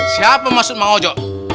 siapa maksud bang ojo